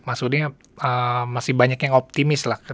maksudnya masih banyak yang optimis lah